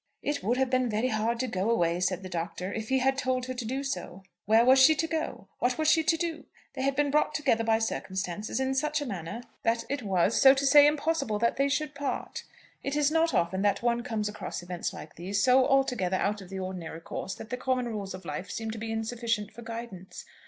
"It would have been very hard to go away," said the Doctor, "if he had told her to do so. Where was she to go? What was she to do? They had been brought together by circumstances, in such a manner that it was, so to say, impossible that they should part. It is not often that one comes across events like these, so altogether out of the ordinary course that the common rules of life seem to be insufficient for guidance.